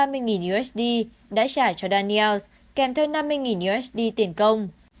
trả một trăm ba mươi usd đã trả cho daniels kèm theo năm mươi usd tiền công